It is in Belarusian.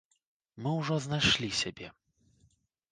Мы ўжо знайшлі сябе.